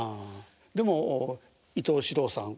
でも伊東四朗さん